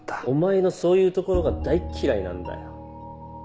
お前のそういうところが大嫌いなんだよ。